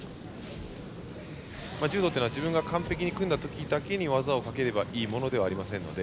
柔道は自分が完璧に組んだ時だけ技をかければいいものではありませんので。